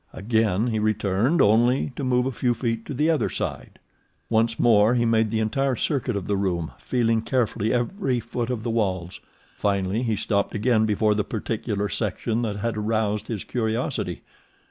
Again he returned, only to move a few feet to the other side. Once more he made the entire circuit of the room, feeling carefully every foot of the walls. Finally he stopped again before the particular section that had aroused his curiosity.